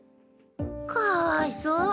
かわいそう。